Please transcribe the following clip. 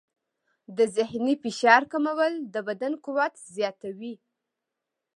د ذهني فشار کمول د بدن قوت زیاتوي.